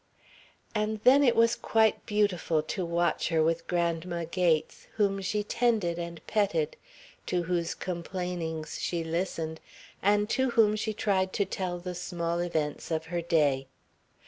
And then it was quite beautiful to watch her with Grandma Gates, whom she tended and petted, to whose complainings she listened, and to whom she tried to tell the small events of her day.